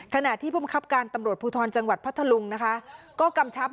ขณะที่พวกมันขับการตำรวจผู้ทอลจังหวัดพัดธรรมก็กำชับเลย